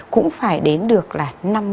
cũng phải đến được là năm mươi